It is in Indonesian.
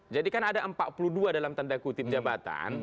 jadi kan ada empat puluh dua dalam tanda kutip jabatan